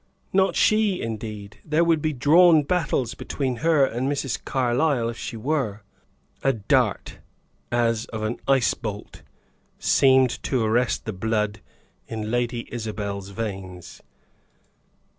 "Not she, indeed. There would be drawn battles between her and Mrs. Carlyle, if she were." A dart, as of an ice bolt, seemed to arrest the blood in Lady Isabel's veins.